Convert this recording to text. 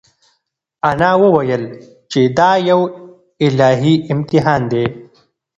انا وویل چې دا یو الهي امتحان دی.